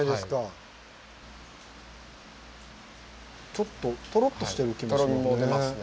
ちょっととろっとしてる気もしますね。